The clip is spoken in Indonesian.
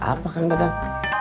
apa kan dadang